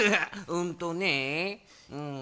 うんとねうん。